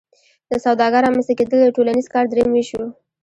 د سوداګر رامنځته کیدل د ټولنیز کار دریم ویش شو.